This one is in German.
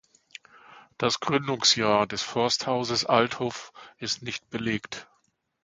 Das Gründungsjahr des Forsthauses Althof ist nicht belegt.